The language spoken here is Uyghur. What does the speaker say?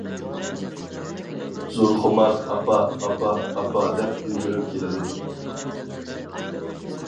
زۇلخۇمار:-ئاپا ئاپا ئاپا دەپ يۈگۈرۈپ كېلىدۇ.